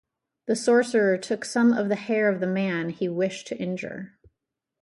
The sorcerer took some of the hair of the man he wished to injure.